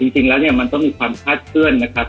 จริงแล้วเนี่ยมันต้องมีความคาดเคลื่อนนะครับ